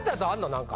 何か。